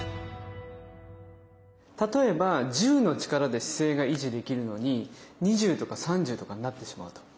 例えば１０の力で姿勢が維持できるのに２０とか３０とかになってしまうと。